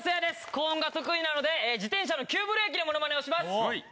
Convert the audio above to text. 高音が得意なので自転車の急ブレーキのモノマネをします。